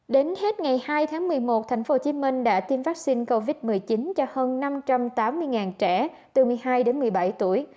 đến hết ngày hai tháng một mươi một thành phố hồ chí minh đã tiêm vaccine covid một mươi chín cho hơn năm trăm tám mươi trẻ từ một mươi hai đến một mươi bảy tuổi